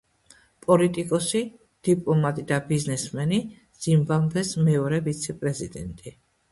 პოლიტიკოსი, დიპლომატი და ბიზნესმენი, ზიმბაბვეს მეორე ვიცე-პრეზიდენტი.